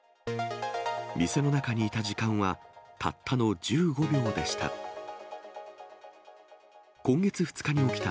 店の中にいた時間は、たったの１５秒でした。